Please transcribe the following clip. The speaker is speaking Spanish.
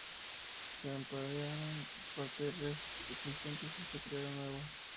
Se ampliaron los "parterres" existentes y se crearon nuevos.